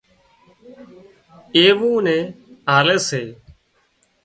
اي وئو نين آلي سي